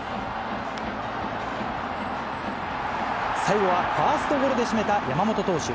最後はファーストゴロで締めた山本投手。